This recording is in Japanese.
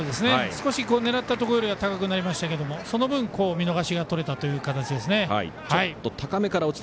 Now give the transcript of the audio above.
少し狙ったところよりは高くなりましたけどその分、見逃しがとれたような形ですね。